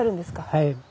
はい。